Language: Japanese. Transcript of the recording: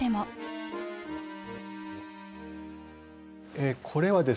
これはですね